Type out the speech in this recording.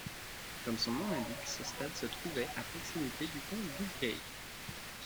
Comme son nom l’indique, ce stade se trouvait à proximité du Pont d'Ougrée.